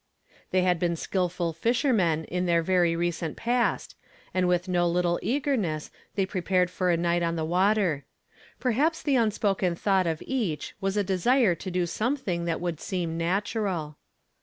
They had been skilful fishermen in their verv recent past, and with no little eagerness they pre. 886 YESTERDAY FKAMED IN TO DAf. H t pared for a night on the water ; perhaps the un spoken thought* of each was a desire to do some thing that would seem natural.